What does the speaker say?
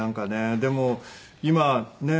でも今ねえ